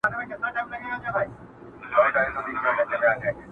په څپو کي ستا غوټې مي وې لیدلي،